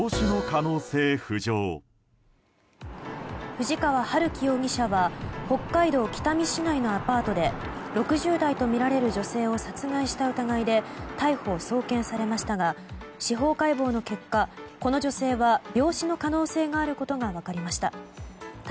藤川春樹容疑者は北海道北見市内のアパートで６０代とみられる女性を殺害した疑いで逮捕・送検されましたが司法解剖の結果、この女性は病死の可能性があることが分かりました。